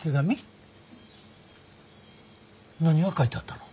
何が書いてあったの？